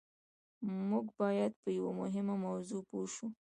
موږ بايد په يوه مهمه موضوع پوه شو.